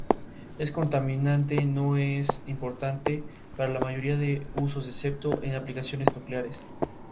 Este contaminante no es importante para la mayoría de usos excepto en aplicaciones nucleares.